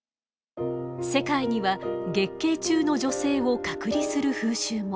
世界には月経中の女性を隔離する風習も。